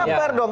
kita fair dong